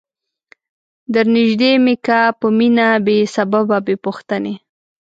در نیژدې می که په مینه بې سببه بې پوښتنی